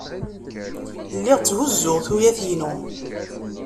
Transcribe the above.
Lliɣ tthuzzuɣ tuyat-inu.